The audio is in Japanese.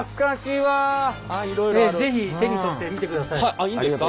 あっいいんですか？